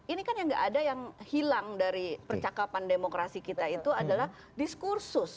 ini kan yang gak ada yang hilang dari percakapan demokrasi kita itu adalah diskursus